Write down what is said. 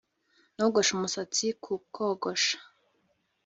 Nogoshe umusatsi ku kogosha